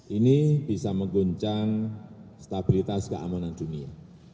ini bisa mengguncang stabilitas keamanan dunia